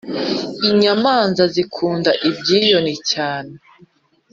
inyamanza zikunda ibyiyoni cyane